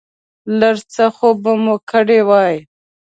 لږ څه خوب مو کړی و.